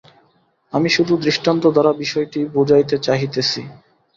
আমি শুধু দৃষ্টান্তদ্বারা বিষয়টি বুঝাইতে চাহিতেছি।